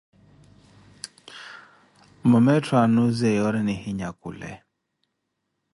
Mama etthu aanuziye yoori nihinyakhule.